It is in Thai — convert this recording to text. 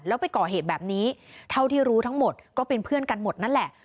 แล้วไปก่อเหตุแบบนี้เท่าที่รู้ทั้งหมดก็เป็นเพื่อนกันหมดนั่นแหละ